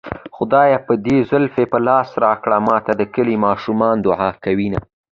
خدای به دې زلفې په لاس راکړي ماته د کلي ماشومان دوعا کوينه